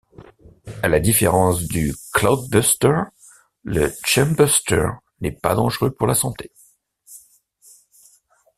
À la différence du Cloudbuster, le Chembuster n'est pas dangereux pour la santé.